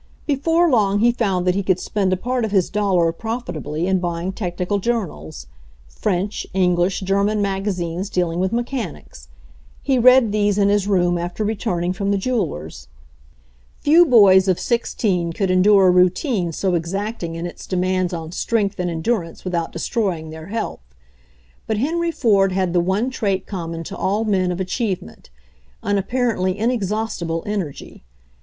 Before long he found that he could spend a part of his dollar profitably in buying technical journals — French, English, German magazines dealing with mechanics. He read these in his room after returning from the jeweler's. 24 HENRY FORD'S OWN STORY Few boys of sixteen could endure a routine so exacting in its demands on strength and en durance without destroying their health, but Henry Ford had the one trait common to all men of achievement — an apparently inexhaustible en ergy.